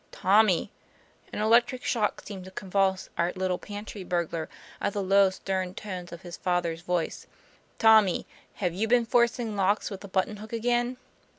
" Tommy!" an electric shock seemed to convulse our little pantry burglar at the low, stem tones of his father's voice, " Tommy, have you been forc ing locks with a button hook again?"